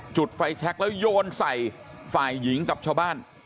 จุดไฟแช็คแล้วโยนใส่ฝ่ายหญิงกับชาวบ้าน